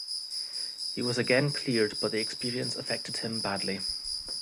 He was again cleared, but the experience affected him badly.